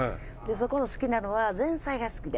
そこの好きなのは前菜が好きで。